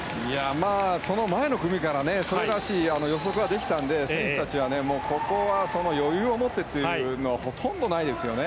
その前の組からそれらしい予測はできたので選手たちはここは余裕を持ってというのはほとんどないですよね。